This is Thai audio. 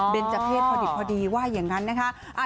เป็นเจ้าเพศพอดิบพอดีว่าอย่างนั้นนะคะ